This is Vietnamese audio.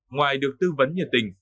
ngoài được tư vấn nhiệt tình